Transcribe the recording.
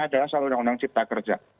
adalah salah satu undang undang cipta kerja